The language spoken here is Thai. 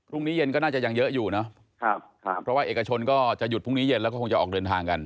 เย็นก็น่าจะยังเยอะอยู่เนอะครับเพราะว่าเอกชนก็จะหยุดพรุ่งนี้เย็นแล้วก็คงจะออกเดินทางกัน